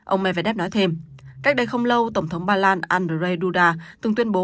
ông medvedev nói thêm cách đây không lâu tổng thống ba lan andrzej duda từng tuyên bố